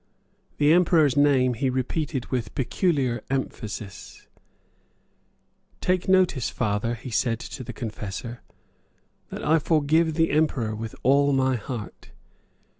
The Emperor's name he repeated with peculiar emphasis: "Take notice, father," he said to the confessor, "that I forgive the Emperor with all my heart."